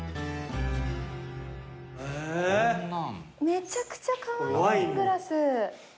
めちゃくちゃカワイイワイングラス。